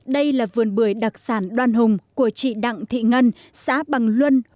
đây là vườn bưởi đặc sản đoan hùng của chị đặng thị ngân xã bằng luân